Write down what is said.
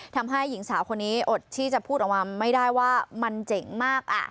ทำให้หญิงสาวคนนี้อดที่จะพูดออกมาไม่ได้ว่ามันเจ๋งมาก